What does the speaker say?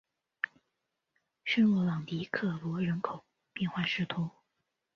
圣洛朗迪克罗人口变化图示